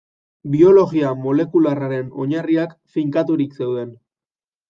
Biologia molekularraren oinarriak finkaturik zeuden.